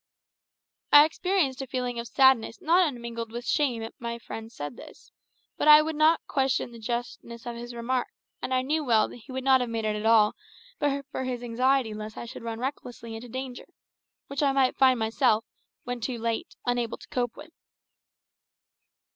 I experienced a feeling of sadness not unmingled with shame as my friend said this, but I could not question the justness of his remark, and I knew well that he would not have made it at all, but for his anxiety lest I should run recklessly into danger, which I might find myself, when too late, unable to cope with.